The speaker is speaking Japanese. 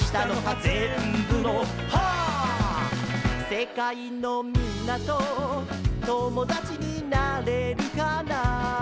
「世界のみんなと友達になれるかな」